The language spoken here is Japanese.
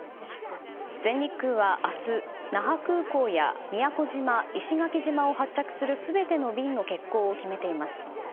全日空は明日、那覇空港や宮古島、石垣島を発着する全ての便の欠航を決めています。